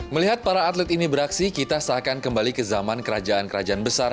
melihat para atlet ini beraksi kita seakan kembali ke zaman kerajaan kerajaan besar